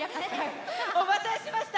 おまたせしました